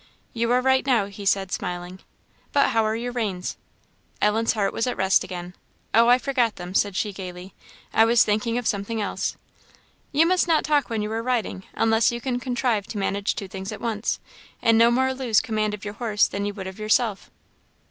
"You are right now," he said, smiling. "But how are your reins?" Ellen's heart was at rest again. "Oh, I forgot them," said she, gaily: "I was thinking of something else." "You must not talk when you are riding, unless you can contrive to manage two things at once; and no more lose command of your horse than you would of yourself."